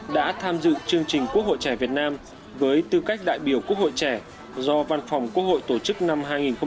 đã tham dự chương trình quốc hội trẻ việt nam với tư cách đại biểu quốc hội trẻ do văn phòng quốc hội tổ chức năm hai nghìn một mươi chín